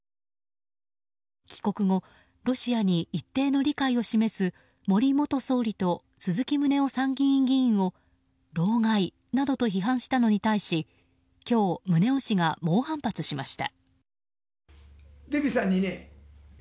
帰国後、ロシアに一定の理解を示す森元総理と鈴木宗男参議院議員を老害などと批判したのに対し今日、宗男氏が猛反発しました。